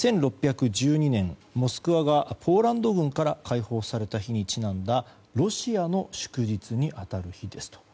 １６１２年、モスクワがポーランド軍から解放された日にちなんだロシアの祝日に当たる日ですと。